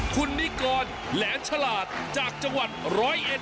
คุณนิกรแหลมฉลาดจากจังหวัดร้อยเอ็ด